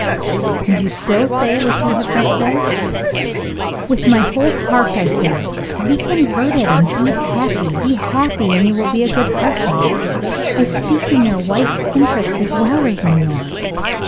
"And you still say what you have just said?" "With my whole heart, I say it! Be converted, and be happy. Be happy, and you will be a good husband. I speak in your wife 's interest as well as in yours.